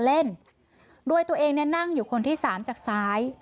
เล่นโดยตัวเองเนี่ยนั่งอยู่คนที่สามจากซ้าย